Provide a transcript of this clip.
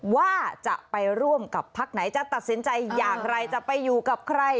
ว่าจะไปร่วมกับพักไหนจะตัดสินใจอย่างไรจะไปอยู่กับใคร